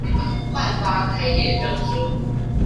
換發開業證書